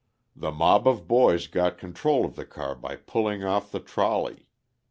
The mob of boys got control of the car by pulling off the trolley.